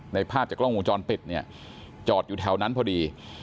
ภาพจากกล้องวงจรปิดเนี่ยจอดอยู่แถวนั้นพอดี